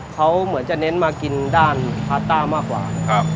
เขาเหมือนจะเน้นมากินด้านพาต้ามากกว่า